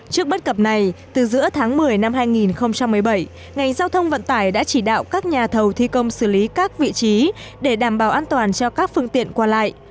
trước bất cập này từ giữa tháng một mươi năm hai nghìn một mươi bảy ngành giao thông vận tải đã chỉ đạo các nhà thầu thi công xử lý các vị trí để đảm bảo an toàn cho các phương tiện qua lại